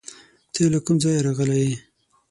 ته له کوم ځایه راغلی یې؟